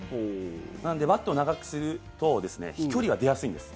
なので、バットを長くすると飛距離は出やすいんです。